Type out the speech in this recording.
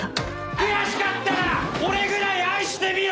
悔しかったら俺ぐらい愛してみろ！